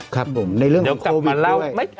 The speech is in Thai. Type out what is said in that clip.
ครับผมในเรื่องของโควิดด้วย